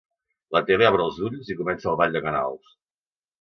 La tele obre els ulls i comença el ball de canals.